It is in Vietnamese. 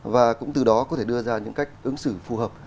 và cũng từ đó có thể đưa ra những cách ứng xử phù hợp